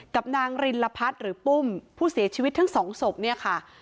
กับนางรินลพัฒน์หรือปุ้มผู้เสียชีวิตทั้งสองศพเนี่ยค่ะ